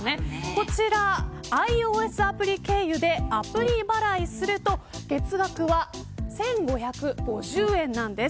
こちらｉＯＳアプリ経由でアプリ払いすると月額は１５５０円なんです。